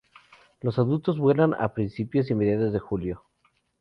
Los adultos vuelan a principios y mediados de julio.